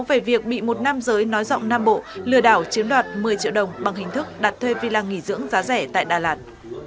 về việc bị một nam giới nói rộng nam bộ lừa đảo chiếm đoạt một mươi triệu đồng bằng hình thức đặt thuê villa nghỉ dưỡng giá rẻ tại đà lạt